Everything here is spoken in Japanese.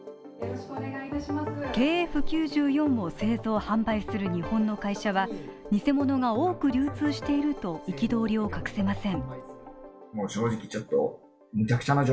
ＫＦ９４を製造販売する日本の会社は偽物が多く流通していると憤りを隠せません。